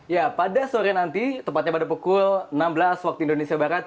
ya pada sore nanti tepatnya pada pukul enam belas waktu indonesia barat